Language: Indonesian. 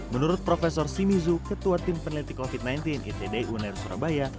menurut prof simizu ketua tim peneliti covid sembilan belas itd unair surabaya